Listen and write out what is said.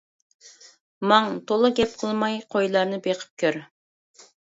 ماڭ تولا گەپ قىلماي قويلارنى بېقىپ كىر!